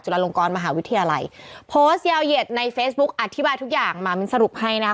ลงกรมหาวิทยาลัยโพสต์ยาวเหยียดในเฟซบุ๊กอธิบายทุกอย่างมามิ้นสรุปให้นะคะ